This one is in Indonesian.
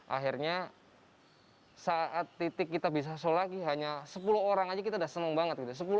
akhirnya saat titik kita bisa sol lagi hanya sepuluh orang aja kita udah seneng banget gitu